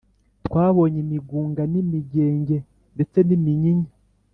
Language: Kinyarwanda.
Twabonye imigunga n’imigenge, ndetse n’iminyinya